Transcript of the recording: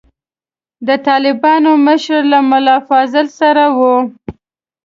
د طالبانو مشري له ملا فاضل سره وه.